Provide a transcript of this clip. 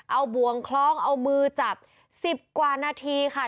เอาบ่วงคล้องเอามือจับ๑๐กว่านาทีค่ะ